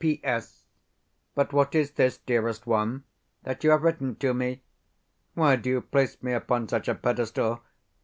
P.S. But what is this, dearest one, that you have written to me? Why do you place me upon such a pedestal?